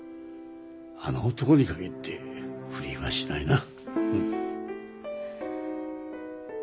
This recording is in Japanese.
あの男に限って不倫はしないな。